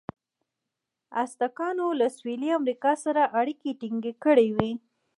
ازتکانو له سویلي امریکا سره اړیکې ټینګې کړې وې.